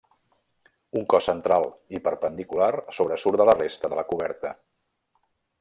Un cos central i perpendicular sobresurt de la resta de la coberta.